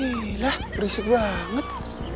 iilah berisik banget